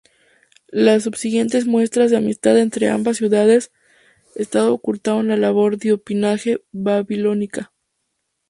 Las subsiguientes muestras de amistad entre ambas ciudades-Estado ocultaron la labor de espionaje babilónica.